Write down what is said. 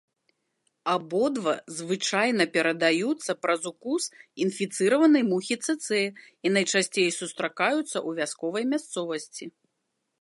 Абодва звычайна перадаюцца праз укус інфіцыраванай мухі цэцэ і найчасцей сустракаюцца ў вясковай мясцовасці.